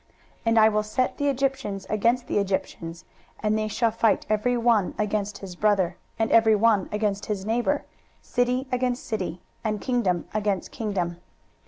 23:019:002 And I will set the Egyptians against the Egyptians: and they shall fight every one against his brother, and every one against his neighbour; city against city, and kingdom against kingdom.